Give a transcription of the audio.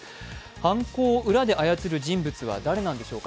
犯行を裏で操る人物は誰なんでしょうか？